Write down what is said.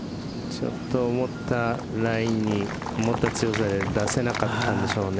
ちょっと思ったラインに出せなかったんでしょうね。